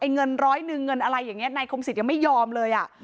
เงินร้อยหนึ่งเงินอะไรอย่างนี้นายคมศิษย์ยังไม่ยอมเลยอ่ะ